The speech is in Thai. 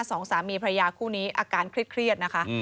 สองสามีพระยาคู่นี้อาการเครียดนะคะ